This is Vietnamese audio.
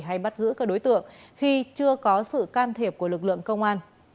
hay bắt giữ các đối tượng khi chưa có sự can thiệp của lực lượng công an